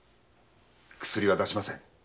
薬は出しません。